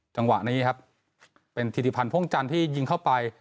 จังหวะนี้ครับเป็นธิติพันธ์พ่วงจันทร์ที่ยิงเข้าไป